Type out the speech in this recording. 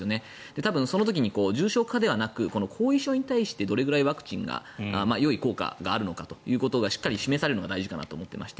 多分、その時に重症化ではなく後遺症に対してどれくらいワクチンがよい効果があるのかがしっかり示されるのが大事だと思っていまして